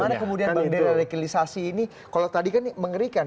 nah gimana kemudian bandara reikalisasi ini kalau tadi kan mengerikan